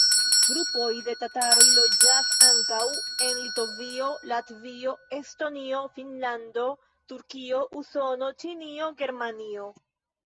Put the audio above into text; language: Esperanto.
Grupoj de tataroj loĝas ankaŭ en Litovio, Latvio, Estonio, Finnlando, Turkio, Usono, Ĉinio, Germanio.